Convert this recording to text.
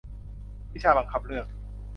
วิชาบังคับเลือก